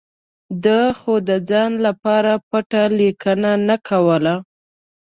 ده خو د ځان لپاره پټه لیکنه نه کوله.